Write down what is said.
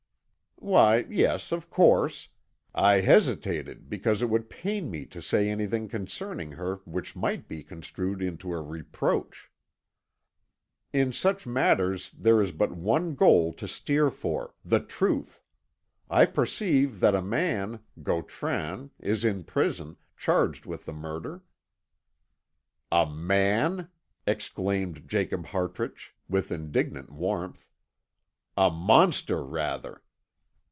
"Why, yes, of course; I hesitated because it would pain me to say anything concerning her which might be construed into a reproach." "In such matters there is but one goal to steer for the truth. I perceive that a man, Gautran, is in prison, charged with the murder." "A man?" exclaimed Jacob Hartrich, with indignant warmth. "A monster, rather!